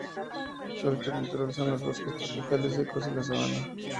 Su hábitat natural son los bosques tropicales secos y la sabana.